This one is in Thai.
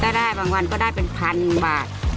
ได้บางวันก็ได้เป็นพันบาท